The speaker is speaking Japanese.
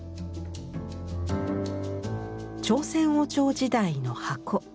朝鮮王朝時代の箱。